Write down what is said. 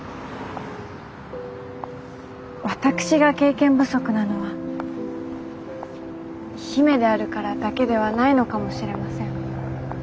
私が経験不足なのは姫であるからだけではないのかもしれません。